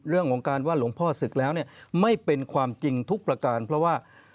เรื่องของการว่าหลวงพ่อศึกแล้วเนี่ยไม่เป็นความจริงทุกประการเพราะว่า